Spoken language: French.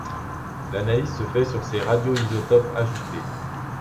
L'analyse se fait sur ces radioisotopes ajoutés.